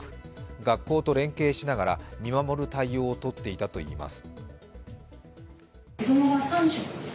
学校と連携しながら見守る対応をとっていたといいます。